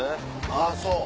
あぁそう。